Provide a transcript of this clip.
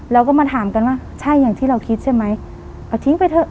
แล้วก็มาถามกันว่าใช่อย่างที่เราคิดใช่ไหมเอาทิ้งไปเถอะ